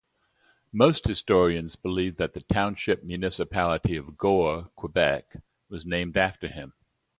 Most historians believe that the township municipality of Gore, Quebec was named after him.